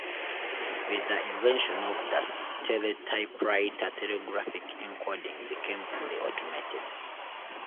With the invention of the teletypewriter, telegraphic encoding became fully automated.